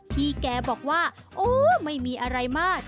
พี่แกบอกว่าโอ้ไม่มีอะไรมาก